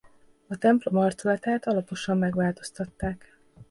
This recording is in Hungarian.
A templom arculatát alaposan megváltoztatták.